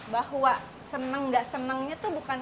bahwa senang atau tidak senangnya itu bukan